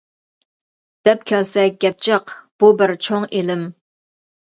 دەپ كەلسەك گەپ جىق، بۇ بىر چوڭ ئىلىم.